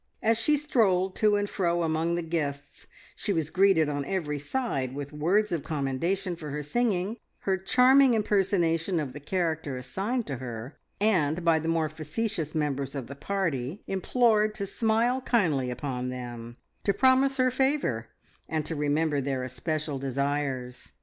As she strolled to and fro among the guests she was greeted on every side with words of commendation for her singing, her charming impersonation of the character assigned to her, and by the more facetious members of the party implored to smile kindly upon them, to promise them her favour, and to remember their especial desires.